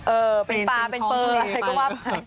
เออเป็นปลาเป็นเฟรนซ์ก็ว่าไป